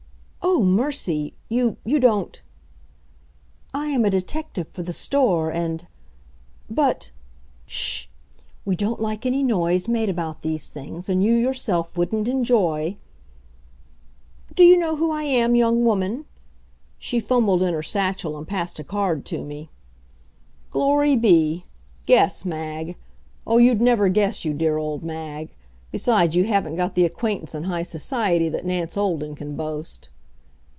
"Oh, mercy! You you don't " "I am a detective for the store, and " "But " "Sh! We don't like any noise made about these things, and you yourself wouldn't enjoy " "Do you know who I am, young woman?" She fumbled in her satchel and passed a card to me. Glory be! Guess, Mag. Oh, you'd never guess, you dear old Mag! Besides, you haven't got the acquaintance in high society that Nance Olden can boast.